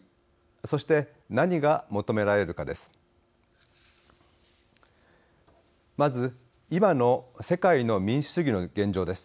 そして、何が求められるかです。